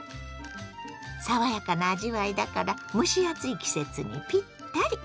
爽やかな味わいだから蒸し暑い季節にピッタリ。